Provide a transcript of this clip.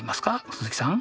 鈴木さん。